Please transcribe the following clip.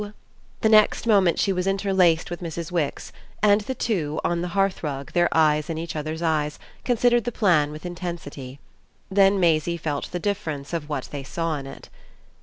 The next moment she was interlaced with Mrs. Wix, and the two, on the hearth rug, their eyes in each other's eyes, considered the plan with intensity. Then Maisie felt the difference of what they saw in it.